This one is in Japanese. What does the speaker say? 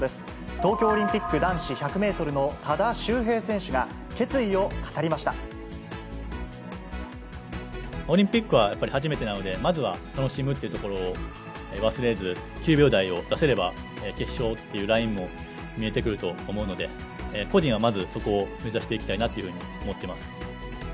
東京オリンピック男子１００メートルの多田修平選手が、決意を語オリンピックはやっぱり初めてなので、まずは楽しむっていうところを忘れず、９秒台を出せれば、決勝というラインも見えてくると思うので、個人はまずそこを目指していきたいなっていうふうに思ってます。